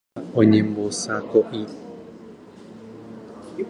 Mba'éicha oñembosako'i.